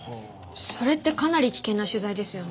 それってかなり危険な取材ですよね？